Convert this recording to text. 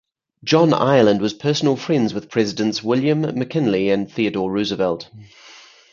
John Ireland was personal friends with Presidents William McKinley and Theodore Roosevelt.